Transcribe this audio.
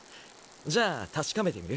じゃあ確かめてみる？